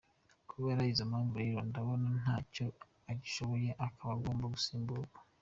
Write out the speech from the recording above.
Kubera izo mpamvu rero ndabona ntacyo agishoboye, akaba agomba gusimburwa.